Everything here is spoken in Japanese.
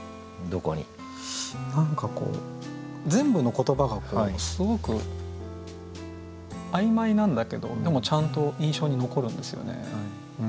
何かこう全部の言葉がすごく曖昧なんだけどでもちゃんと印象に残るんですよね。